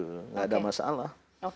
tidak ada masalah